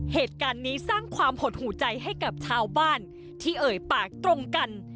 เหตุการณ์นี้สร้างความหดหูใจให้กับชาวบ้านที่เอ่ยปากตรงกัน